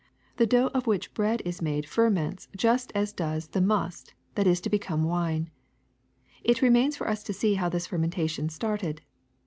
The dough of which bread is made ferments just as does the must that is to become wine. It remains for us to see how this fermentation started.